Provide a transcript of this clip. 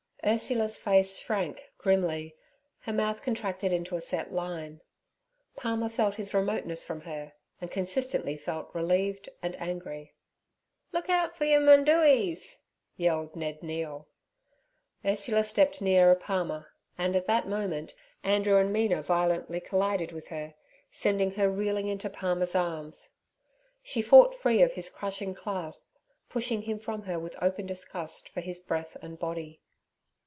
Ursula's face shrank grimly, her mouth contracted into a set line. Palmer felt his remoteness from her, and consistently felt relieved and angry. 'Look out for your mundooeys' yelled Ned Neale. Ursula stepped nearer Palmer, and at that moment Andrew and Mina violently collided with her, sending her reeling into Palmer's arms. She fought free of his crushing clasp, pushing him from her with open disgust for his breath and body.